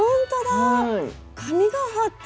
紙が貼ってある。